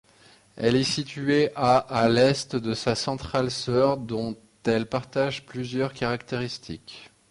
Elle est située à à l'est de sa centrale-sœur dont elle partage plusieurs caractéristiques.